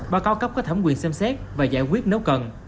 và cao cấp các thẩm quyền xem xét và giải quyết nếu cần